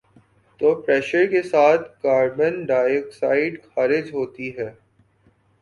تو pressure کے ساتھ کاربن ڈائی آکسائیڈ خارج ہوتی ہے